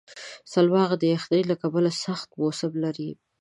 سلواغه د یخنۍ له کبله سخت موسم لري.